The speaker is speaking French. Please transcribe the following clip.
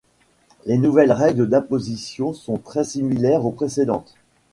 Les nouvelles règles d'imposition sont très similaires aux précédentes.